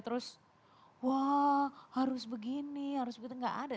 terus wah harus begini harus begitu nggak ada